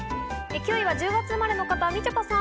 ９位は１０月生まれの方、みちょぱさん。